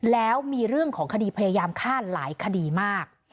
แล้วมีเรื่องของคดีพยายามฆ่าหลายคดีมาก